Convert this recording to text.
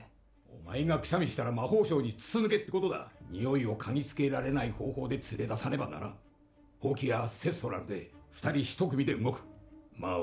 お前がくしゃみしたら魔法省に筒抜けってことだにおいを嗅ぎつけられない方法で連れ出さねばならんほうきやセストラルで二人一組で動くまあ